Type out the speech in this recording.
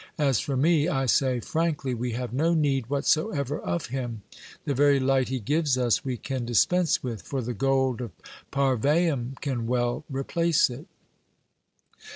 As for me, I say frankly, we have no need whatsoever of Him; the very light He gives us we can dispense with, for the gold of Parvaim can well replace it."